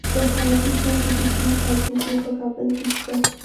د خوراکي توکو کوچنۍ فابریکې په کابل کې شته.